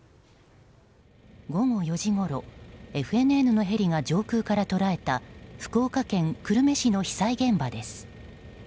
午後４時ごろＦＮＮのヘリが上空から捉えた福岡県久留米市の被災現場です。